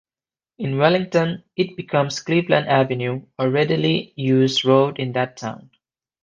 In Wellington, it becomes Cleveland Avenue, a readily used road in that town.